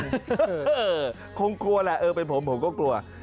เออคงกลัวแหละเออเป็นผมผมก็กลัว